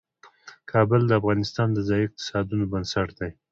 کابل د افغانستان د ځایي اقتصادونو بنسټ دی.